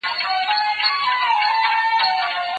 ایا استاد شاګرد ته په څېړنه کي خپلواکي ورکوي؟